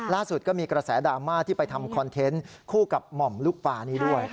ล่าสุดก็มีกระแสดราม่าที่ไปทำคอนเทนต์คู่กับหม่อมลูกปลานี้ด้วย